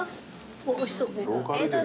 おいしそう。